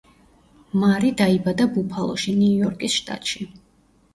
მარი დაიბადა ბუფალოში, ნიუ-იორკის შტატში.